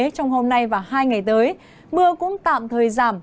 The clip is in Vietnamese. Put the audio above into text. trong hôm nay và hai ngày tới mưa cũng tạm thời giảm